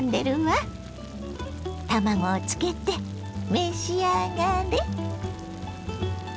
卵をつけて召し上がれ！